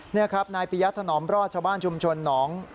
นี่ครับนายปียะถนอมรอดชาวบ้านชุมชนหนอง